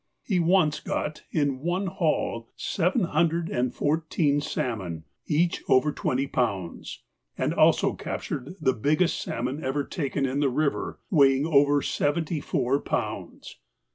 He once got in one haul seven hundred and fourteen salmon, each over twenty pounds, and also captured the biggest salmon ever taken in the river, weighing over seventy four pounds.